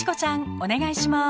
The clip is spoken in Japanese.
お願いします。